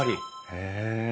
へえ。